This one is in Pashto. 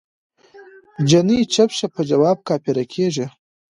جینی چپ شه په جواب کافره کیږی